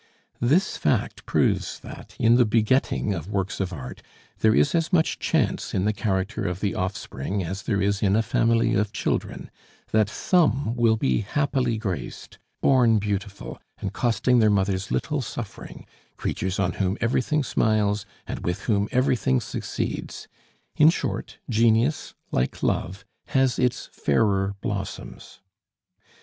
This fact proves that, in the begetting of works of art, there is as much chance in the character of the offspring as there is in a family of children; that some will be happily graced, born beautiful, and costing their mothers little suffering, creatures on whom everything smiles, and with whom everything succeeds; in short, genius, like love, has its fairer blossoms.